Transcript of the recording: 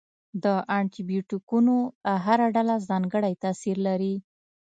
د انټي بیوټیکونو هره ډله ځانګړی تاثیر لري.